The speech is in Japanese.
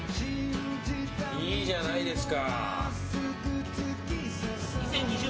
いいじゃないですか。